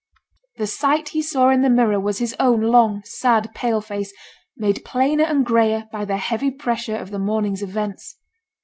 The sight he saw in the mirror was his own long, sad, pale face, made plainer and grayer by the heavy pressure of the morning's events.